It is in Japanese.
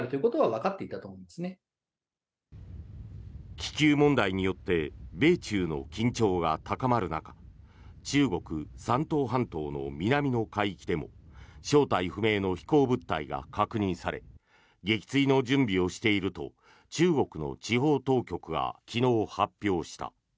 気球問題によって米中の緊張が高まる中中国・山東半島の南の海域でも正体不明の飛行物体が確認され撃墜の準備をしていると中国の地方当局が昨日、発表した。